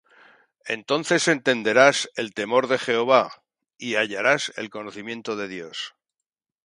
Entonces entenderás el temor de Jehová, Y hallarás el conocimiento de Dios.